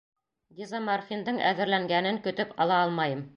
Дезоморфиндың әҙерләнгәнен көтөп ала алмайым.